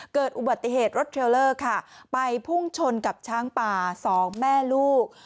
เกิดอุบัติเหตุรถเทรลเลอร์ค่ะไปพุ่งชนกับช้างป่าสองแม่ลูก